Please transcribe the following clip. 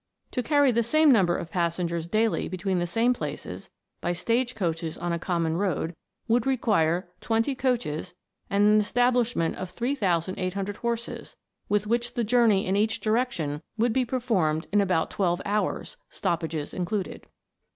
To carry the same number of passengers daily between the same places, by stage coaches on a common road, would require twenty coaches and an esta blishment of 3800 horses, with which the journey in 312 THE WONDERFUL LAMP. each direction would be performed in about twelve hours, stoppages included.